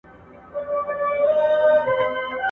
• زړه بدوالی او کانګې کموي